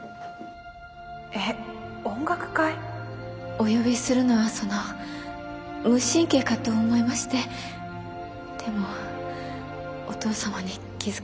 お呼びするのはその無神経かと思いましてでもお父様に気付かれてしまって。